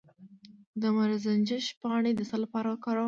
د مرزنجوش پاڼې د څه لپاره وکاروم؟